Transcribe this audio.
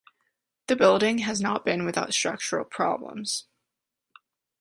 The building has not been without structural problems.